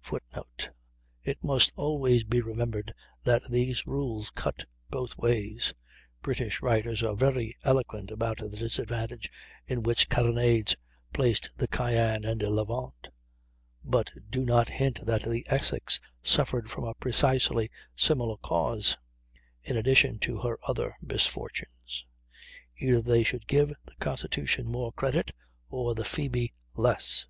[Footnote: It must always be remembered that these rules cut both ways. British writers are very eloquent about the disadvantage in which carronades placed the Cyane and Levant, but do not hint that the Essex suffered from a precisely similar cause, in addition to her other misfortunes; either they should give the Constitution more credit or the Phoebe less.